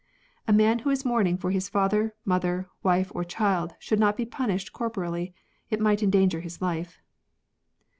[A man who is mourning for his father, mother, wife, or child, should not be punished cor poreally ; it might endanger his life.